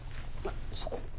そこ。